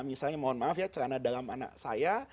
misalnya mohon maaf ya celana dalam anak saya